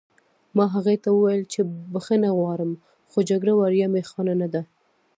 ما هغې ته وویل چې بښنه غواړم خو جګړه وړیا می خانه نه ده